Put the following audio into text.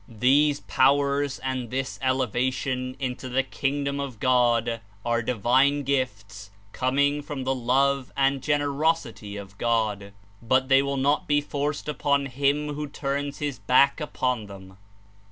These powers and this elevation Into the Kingdom of God are divine gifts coming from the Love and Gen erosity of God, but they will not be forced upon him who turns his back upon them.